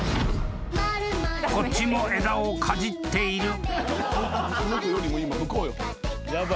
［こっちも枝をかじっている］